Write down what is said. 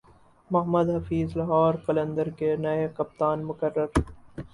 محمد حفیظ لاہور قلندرز کے نئے کپتان مقرر